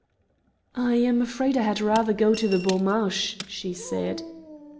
"I am afraid I had rather go to the Bon March," she said.